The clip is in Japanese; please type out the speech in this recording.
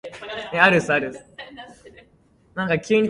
瓦礫の下へと、雪が溶けるような速度で動いていた